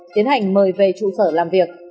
tiến hành mời về trụ sở làm việc